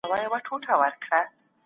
په پای کي باید سمه نتیجه واخیستل سي.